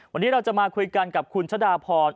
วันนี้เราจะมาคุยกันกับคุณชะดาพร